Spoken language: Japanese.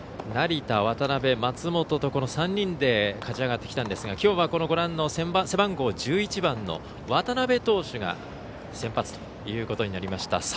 成田、渡邊、松本と３人で勝ち上がってきたんですがきょうは背番号１１の渡邊投手が先発ということになりました。